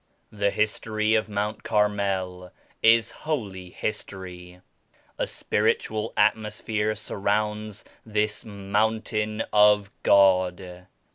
"The history of Mount Carmel is holy history. A spiritual atmosphere surrounds this *Moun tain of God.'